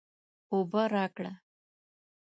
اوبه راکړه